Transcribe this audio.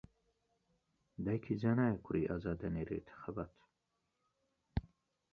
دایکی زانایە کوڕی ئازا دەنێرێتە خەبات